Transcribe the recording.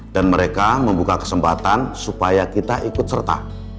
dan mereka membuka kesempatan supaya kita ikut serta